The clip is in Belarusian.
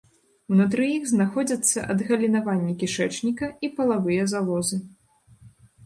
Унутры іх знаходзяцца адгалінаванні кішэчніка і палавыя залозы.